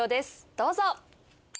どうぞ。